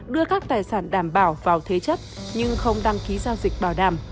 đưa các tài sản đảm bảo vào thế chấp nhưng không đăng ký giao dịch bảo đảm